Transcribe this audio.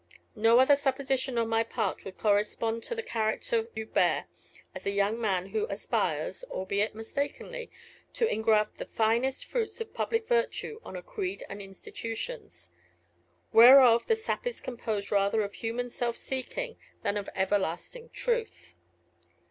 No other supposition on my part would correspond to the character you bear as a young man who aspires (albeit mistakenly) to engraft the finest fruits of public virtue on a creed and institutions, whereof the sap is composed rather of human self seeking than of everlasting truth.